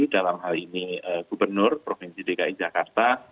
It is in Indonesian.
dalam hal ini gubernur provinsi dki jakarta